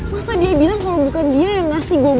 masa dia bilang kalau bukan dia yang ngasih gue buangnya